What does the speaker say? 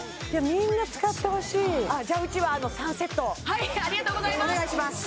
みんな使ってほしいじゃあうちは３セットはいありがとうございます！